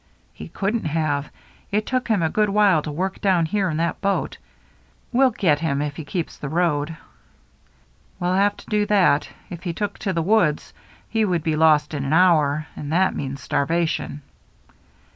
" He couldn't have. It took him a good while to work down here in that boat. We'll get him if he keeps the road." " He'll have to do that. If he took to the woods, he would be lost in an hour — and that means starvation."